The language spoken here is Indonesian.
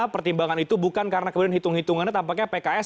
pertimbangan itu bukan karena kemudian hitung hitungannya tampaknya pks